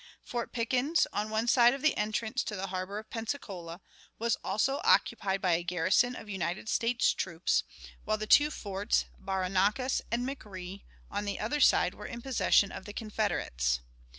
Fort Pickens, on one side of the entrance to the harbor of Pensacola, was also occupied by a garrison of United States troops, while the two forts (Barrancas and McRee) on the other side were in possession of the Confederates.